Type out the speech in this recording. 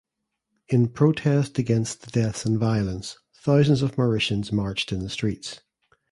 In protest against the deaths and violence thousands of Mauritians marched in the streets.